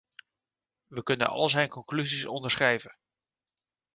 We kunnen al zijn conclusies onderschrijven.